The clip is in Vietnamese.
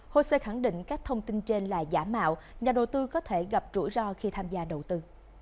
hồ sơ khẳng định các thông tin trên là giả mạo nhà đầu tư có thể gặp rủi ro khi tham gia đầu tư